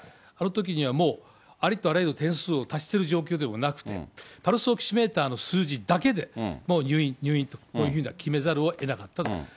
あのときにはもう、ありとあらゆる点数を足してる状況でもなくて、パルスオキシメーターの数字だけで、もう入院、入院と、こういうふうに決めざるをえなかったと。